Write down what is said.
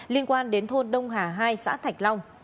liên quan đến thuốc